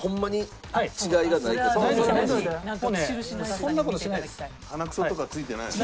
そんな事してないです。